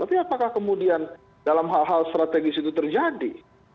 tapi apakah kemudian dalam hal hal strategis itu terjadi